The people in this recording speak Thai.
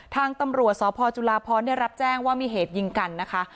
ทางตำรวจสพจุลาพรได้รับแจ้งว่ามีเหตุยิงกันนะคะ